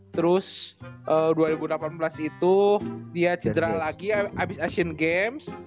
terus dua ribu delapan belas itu dia cedera lagi habis asian games